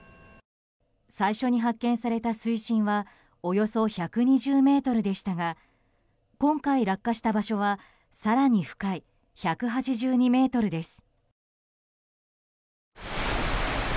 最初に発見された水深はおよそ１２０ｍでしたが今回落下した場所は更に深い１８２ｍです。